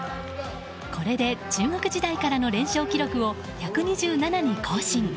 これで中学時代からの連勝記録を１２７に更新。